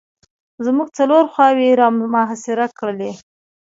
زموږ څلور خواوې یې را محاصره کړلې.